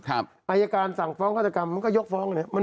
อายการสั่งฟ้องฆาตกรรมมันก็ยกฟ้องเลย